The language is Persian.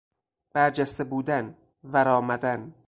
برجسته بودن، ورآمدن